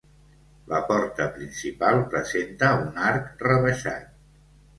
La porta principal presenta un arc rebaixat.